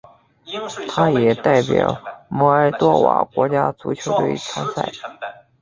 他也代表摩尔多瓦国家足球队参赛。